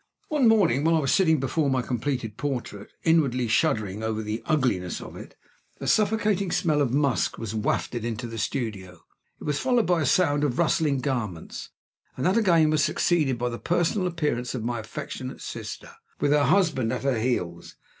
One morning, while I was sitting before my completed portrait, inwardly shuddering over the ugliness of it, a suffocating smell of musk was wafted into the studio; it was followed by a sound of rustling garments; and that again was succeeded by the personal appearance of my affectionate sister, with her husband at her heels.